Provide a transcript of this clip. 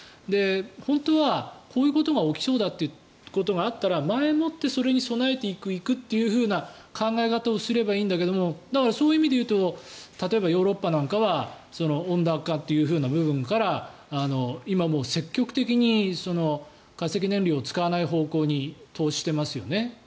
本当はこういうことが起きそうだということがあったら前もってそれに備えていくっていう考え方をすればいいんだけどだから、そういう意味でいうと例えばヨーロッパなんかは温暖化という部分から今、もう積極的に化石燃料を使わない方向に投資してますよね。